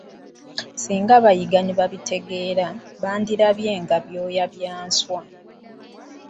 Singa bayiga ne babitegeera, bandirabye nga byoya bya nswa.